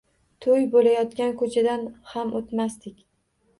Toʻy boʻlayotgan koʻchadan ham oʻtmasdik.